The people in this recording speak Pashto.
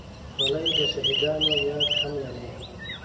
خولۍ د شهیدانو یاد هم لري.